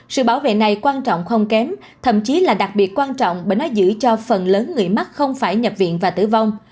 sự bảo vệ này quan trọng không kém thậm chí là đặc biệt quan trọng bởi nó giữ cho phần lớn người mắc không phải nhập viện và tử vong